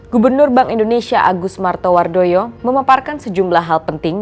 gubernur bank indonesia agus martowardoyo memaparkan sejumlah hal penting